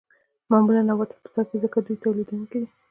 معمولاً نباتات په سر کې دي ځکه دوی تولیدونکي دي